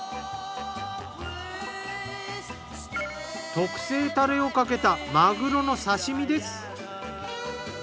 特製タレをかけたマグロの刺身です。